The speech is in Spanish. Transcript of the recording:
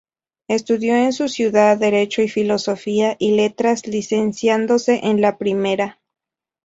Estudió en su ciudad derecho y filosofía y letras, licenciándose en la primera.